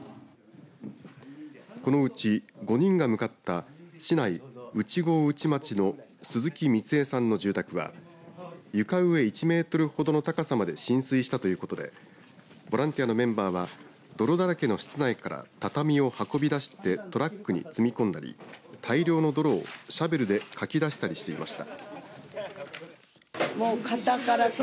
このうち、５人が向かった市内内郷内町の鈴木ミツエさんの住宅は床上１メートルほどの高さまで浸水したということでボランティアのメンバーは泥だらけの室内から畳を運び出してトラックに積み込んだり大量の泥をシャベルでかき出したりしていました。